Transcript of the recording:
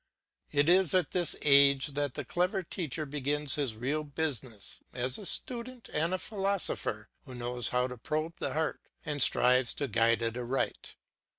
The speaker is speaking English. It is at this age that the clever teacher begins his real business, as a student and a philosopher who knows how to probe the heart and strives to guide it aright.